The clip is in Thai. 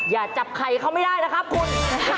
อย่าจับไข่เขาไม่ได้นะครับคุณ